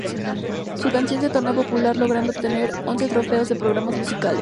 Su canción se tornó popular, logrando obtener once trofeos de programas musicales.